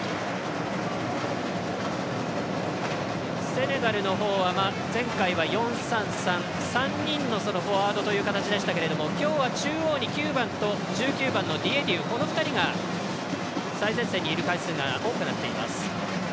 セネガルのほうは前回４‐３‐３、３人のフォワードということでしたが９番と１９番のディエディウこの２人が最前線にいる回数が多くなっています。